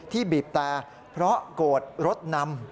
บีบแต่เพราะโกรธรถนำ